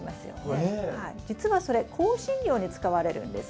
じつはそれ香辛料に使われるんです。